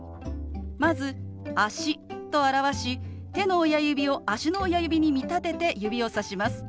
まず「足」と表し手の親指を足の親指に見立てて指をさします。